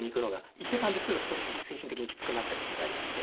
行ってたんですけど少し精神的にきつくなった時期がありまして。